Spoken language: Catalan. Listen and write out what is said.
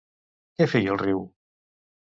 Què feia el riu?